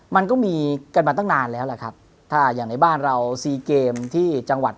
มันก็มีกันมาตั้งนานแล้วแหละครับถ้าอย่างในบ้านเราซีเกมที่จังหวัด